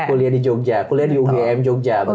kuliah di jogja kuliah di ugm jogja